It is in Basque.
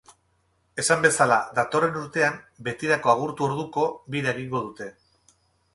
Esan bezala, datorren urtean, betirako agurtu orduko, bira egingo dute.